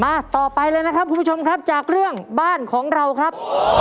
ต่อไปเลยนะครับคุณผู้ชมครับจากเรื่องบ้านของเราครับ